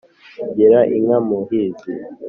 gira inka muhizi